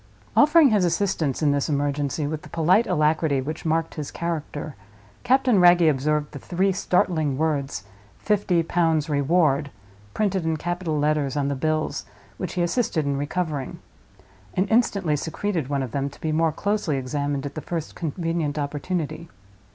Offering his assistance in this emergency, with the polite alacrity which marked his character, Captain Wragge observed the three startling words, "Fifty Pounds Reward," printed in capital letters on the bills which he assisted in recovering; and instantly secreted one of them, to be more closely examined at the first convenient opportunity.